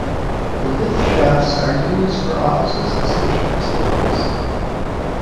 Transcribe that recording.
The lift shafts are used for offices and station facilities.